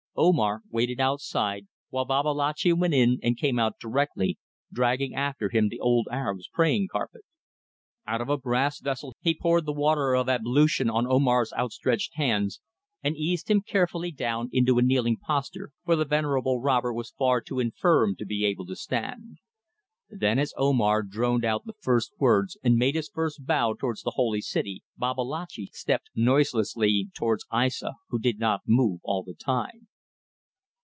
Omar waited outside, while Babalatchi went in and came out directly, dragging after him the old Arab's praying carpet. Out of a brass vessel he poured the water of ablution on Omar's outstretched hands, and eased him carefully down into a kneeling posture, for the venerable robber was far too infirm to be able to stand. Then as Omar droned out the first words and made his first bow towards the Holy City, Babalatchi stepped noiselessly towards Aissa, who did not move all the time.